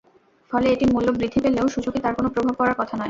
ফলে এটির মূল্য বৃদ্ধি পেলেও সূচকে তার কোনো প্রভাব পড়ার কথা নয়।